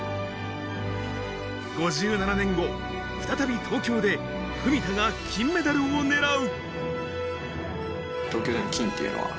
５７年後、再び東京で文田が金メダルを狙う。